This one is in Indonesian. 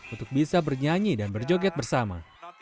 untuk bisa bernyanyi dan berjoget bersama